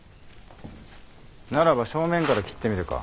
ならば正面から斬ってみるか？